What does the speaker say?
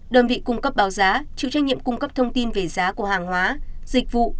đơn vị cung cấp báo giá chịu trách nhiệm cung cấp thông tin về giá của hàng hóa dịch vụ